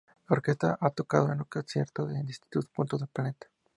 La orquesta ha tocado en conciertos en distintos puntos del planeta.